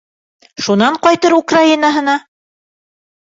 Шунан ҡайтыр Украинаһына.